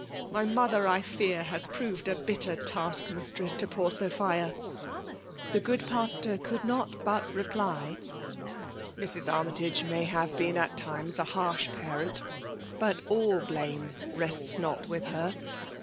my mother, I fear, has 126 JIEMA LU DOMIKATIOK. proved a bitter task mistress to poor — the good pastor could not but reply —'* lbs. Armjrtage may have been at times a harsh parent ; but all blame rests not with her.